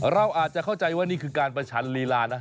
เราอาจจะเข้าใจว่านี่คือการประชันลีลานะ